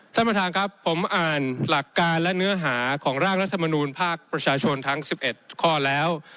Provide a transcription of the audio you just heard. ท่านประธานครับผมอ่านหลักการและเนื้อหาของร่างรัฐมนูลภาคประชาชนทั้ง๑๑ข้อแล้ว